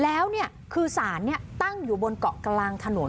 แล้วคือสารตั้งอยู่บนเกาะกลางถนน